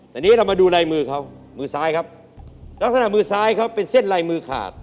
แต่นี่เรามาดูลายมือเขามือซ้ายครับลักษณะมือซ้ายเขาเป็นเส้นลายมือขาด